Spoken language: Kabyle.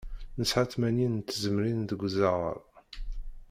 Nesɛa tmanyin n tzemrin deg uzaɣar.